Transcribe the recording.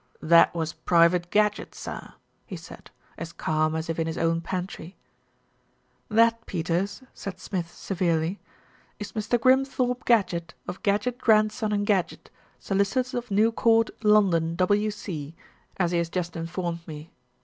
"That was Private Gadgett, sir," he said, as calm as if in his own pantry. "That, Peters," said Smith severely, "is Mr. Grim thorpe Gadgett, of Gadgett, Grandson and Gadgett, solicitors of New Court, London, W.C., as he has just informed me.